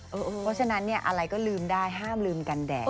เพราะฉะนั้นอะไรก็ลืมได้ห้ามลืมกันแดด